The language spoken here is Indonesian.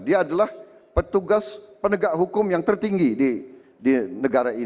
dia adalah petugas penegak hukum yang tertinggi di indonesia